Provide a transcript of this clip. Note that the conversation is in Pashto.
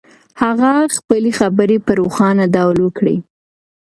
هغه خپلې خبرې په روښانه ډول وکړې.